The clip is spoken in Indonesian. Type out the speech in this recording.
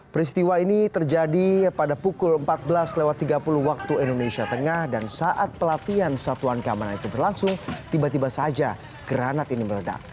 peristiwa ini terjadi pada pukul empat belas tiga puluh waktu indonesia tengah dan saat pelatihan satuan kamaran itu berlangsung tiba tiba saja granat ini meledak